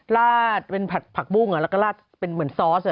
ลาดเป็นผัดผักบุ้งแล้วก็ลาดเป็นเหมือนซอส